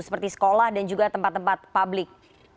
seperti sekolah dan juga tempat tempat publik